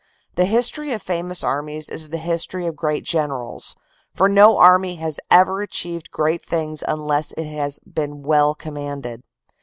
The history of famous armies is the history of great generals, for no army has ever achieved great things unless it has been well com manded.